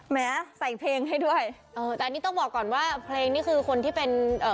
แม้ใส่เพลงให้ด้วยเออแต่อันนี้ต้องบอกก่อนว่าเพลงนี่คือคนที่เป็นเอ่อ